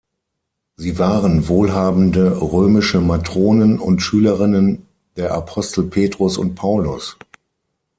Sie waren wohlhabende römische Matronen und Schülerinnen der Apostel Petrus und Paulus.